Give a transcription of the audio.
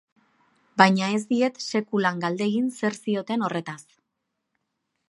Baina ez diet sekulan galdegin zer zioten horretaz.